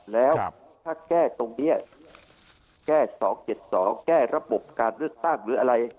แล้วถ้าแก้ตรงนี้แก้๒๗๒แก้ระบบการเลือกตั้งหรืออะไร